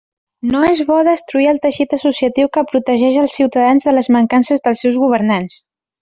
No és bo destruir el teixit associatiu que protegeix els ciutadans de les mancances dels seus governants.